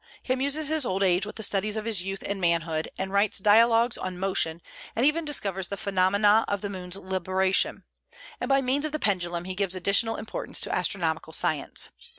He amuses his old age with the studies of his youth and manhood, and writes dialogues on Motion, and even discovers the phenomena of the moon's libration; and by means of the pendulum he gives additional importance to astronomical science.